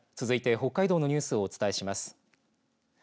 続いて北海道のニュースをお伝えします。